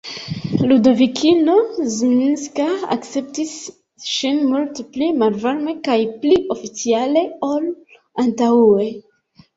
Ludovikino Zminska akceptis ŝin multe pli malvarme kaj pli oficiale, ol antaŭe.